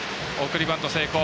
送りバント成功。